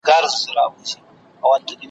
استاد خو له حکومته مرور راغلی وو